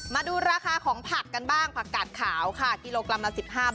มาดูราคาของผักกันบ้างผักกาดขาวค่ะ๑๕บาทกิโลกรัม